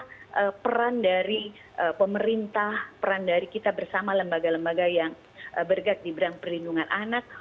itu adalah peran dari pemerintah peran dari kita bersama lembaga lembaga yang bergak di berang perlindungan anak